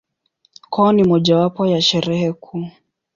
Kwao ni mojawapo ya Sherehe kuu.